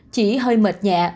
chỉ hơi mệt nhẹ